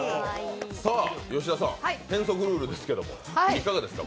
吉田さん、変則ルールですけどいかがですか？